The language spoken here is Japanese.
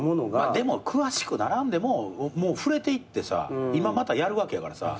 でも詳しくならんでも触れていって今またやるわけやからさ。